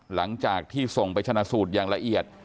หลังจากที่ส่งไปชนะสูตรอย่างละเอียด